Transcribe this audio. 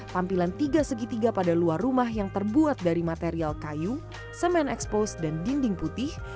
tampilan tiga segitiga pada luar rumah yang terbuat dari material kayu semen ekspos dan dinding putih